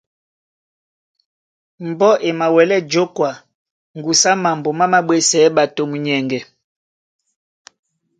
Mbɔ́ e mawɛlɛ́ jǒkwa ŋgusu á mambo má māɓwésɛɛ́ ɓato munyɛŋgɛ.